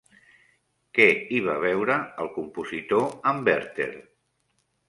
Què hi va veure el compositor en Werther?